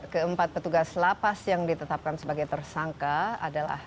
keempat petugas lapas yang ditetapkan sebagai tersangka adalah